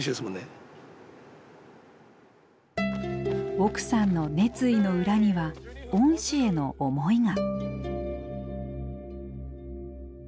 奥さんの熱意の裏には恩師への思いが。